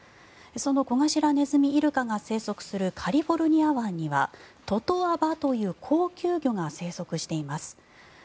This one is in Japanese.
そのコガシラネズミイルカが生息するカリフォルニア湾にはトトアバという高級魚が生息しています。